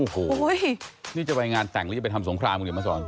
อุ้โหอุ๊ยนี่จะไปงานแต่งหรือจะไปทำสงครามหรือยังมซอน